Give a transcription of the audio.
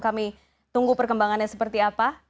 kami tunggu perkembangannya seperti apa